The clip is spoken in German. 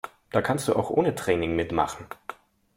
Da kannst du auch ohne Training mitmachen.